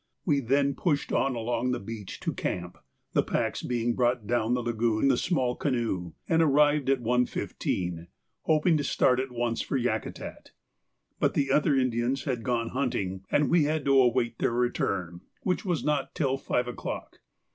We then pushed on along the beach to camp, the packs being brought down the lagoon in the small canoe, and arrived at 1.15, hoping to start at once for Yakutat; but the other Indians had gone hunting, and we had to await their return, which was not till five o'clock.